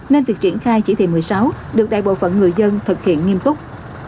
nên việc triển khai chỉ thị một mươi sáu được đại bộ phận người dân thực hiện nghiêm túc